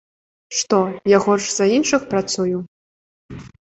Што, я горш за іншых працую?